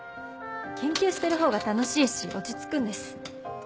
研究しているほうが楽しいし落ち着くんです。